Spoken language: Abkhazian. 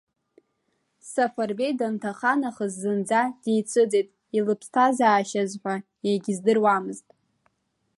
Сафарбеи данҭаха нахыс, зынӡа дицәыӡит, илыԥсҭазаашьаз ҳәа егьиздыруамызт.